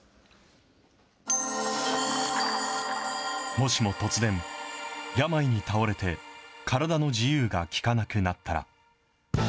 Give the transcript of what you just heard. もしも突然、病に倒れて、体の自由が利かなくなったら。